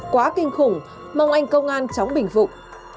quá kinh khủng mong anh công an chóng bình phục